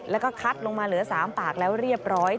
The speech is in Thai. แล้วก็คัดลงมาเหลือ๓ปากแล้วเรียบร้อย